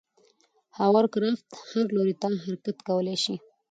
هاورکرافت هر لوري ته حرکت کولی شي.